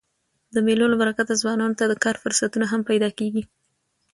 د مېلو له برکته ځوانانو ته د کار فرصتونه هم پیدا کېږي.